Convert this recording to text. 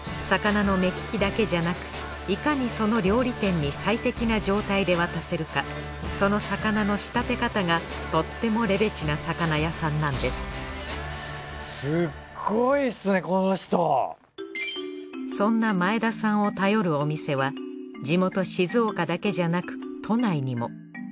魚の目利きだけじゃなくいかにその料理店に最適な状態で渡せるかその魚の仕立て方がとってもレベチな魚屋さんなんですそんな前田さんを頼るお店は地元静岡だけじゃなく都内にも。